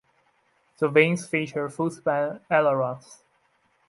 The wings feature full-span ailerons.